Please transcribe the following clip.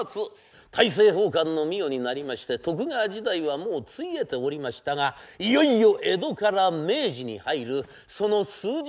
大政奉還の御代になりまして徳川時代はもうついえておりましたがいよいよ江戸から明治に入るその数日間のお物語。